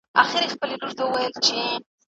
د واکسین کمپاینونه په بریالیتوب روان وو.